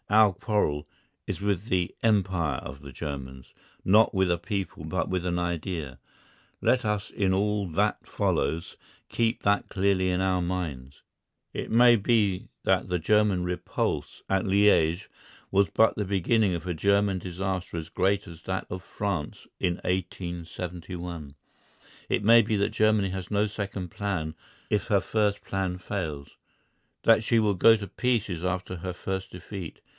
Our quarrel is with the Empire of the Germans, not with a people but with an idea. Let us in all that follows keep that clearly in our minds. It may be that the German repulse at Liège was but the beginning of a German disaster as great as that of France in 1871. It may be that Germany has no second plan if her first plan fails; that she will go to pieces after her first defeat.